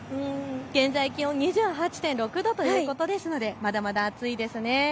現在、気温２８．６度ということですのでまだまだ暑いですね。